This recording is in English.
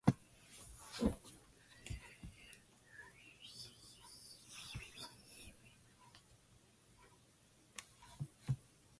Olderman aspired to be a sportswriter at an early age.